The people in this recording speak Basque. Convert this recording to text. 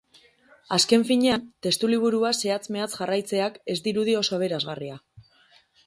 Azken finean, testuliburua zehatz-mehatz jarraitzeak ez dirudi oso aberasgarria.